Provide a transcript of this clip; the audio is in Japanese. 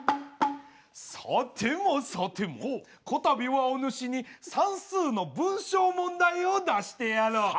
さてもさてもこたびはおぬしに算数の文章問題を出してやろう。